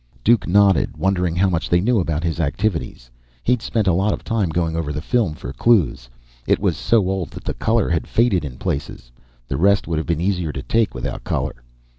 Duke nodded, wondering how much they knew about his activities. He'd spent a lot of time going over the film for clues. It was so old that the color had faded in places. The rest would have been easier to take without color.